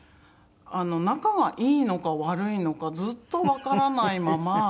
仲がいいのか悪いのかずっとわからないまま。